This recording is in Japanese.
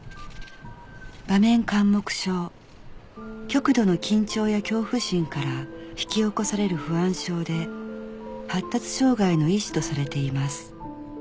極度の緊張や恐怖心から引き起こされる不安症で発達障害の一種とされています